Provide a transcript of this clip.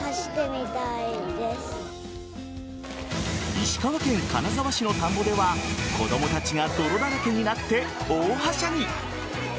石川県金沢市の田んぼでは子供たちが泥だらけになって大はしゃぎ。